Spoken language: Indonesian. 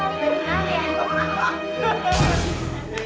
ayahnya selalu bernal ya